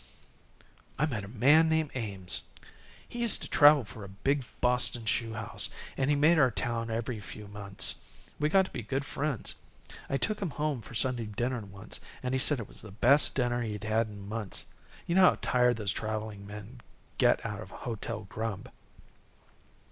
"I met a man named Ames. He used to travel for a big Boston shoe house, and he made our town every few months. We got to be good friends. I took him home for Sunday dinner once, and he said it was the best dinner he'd had in months. You know how tired those traveling men get of hotel grub."